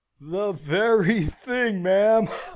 "The very thing, ma'am!"